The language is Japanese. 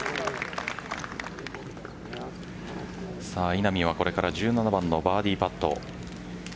稲見はこれから１７番のバーディーパット。